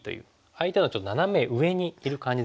相手のちょっとナナメ上にいる感じですよね。